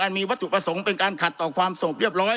มีวัตถุประสงค์เป็นการขัดต่อความสงบเรียบร้อย